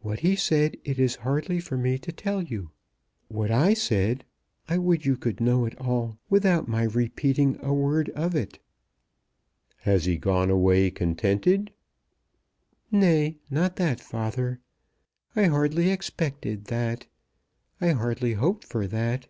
"What he said it is hardly for me to tell you. What I said, I would you could know it all without my repeating a word of it." "Has he gone away contented?" "Nay, not that, father. I hardly expected that. I hardly hoped for that.